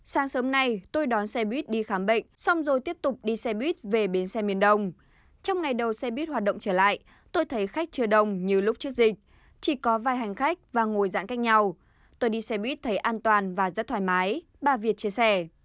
sáng sớm nay tôi đón xe buýt đi khám bệnh xong rồi tiếp tục đi xe buýt về bến xe miền đông trong ngày đầu xe buýt hoạt động trở lại tôi thấy khách chưa đông như lúc trước dịch chỉ có vài hành khách và ngồi giãn cách nhau tôi đi xe buýt thấy an toàn và rất thoải mái bà việt chia sẻ